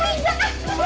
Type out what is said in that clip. aduh ya allah